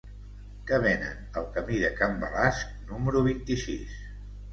Què venen al camí de Can Balasc número vint-i-sis?